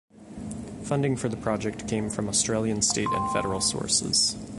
Funding for the project came from Australian state and federal sources.